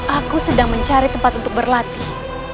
aku sedang mencari tempat untuk berlatih